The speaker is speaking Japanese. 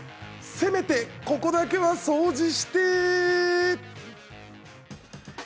せめてここだけは掃除して！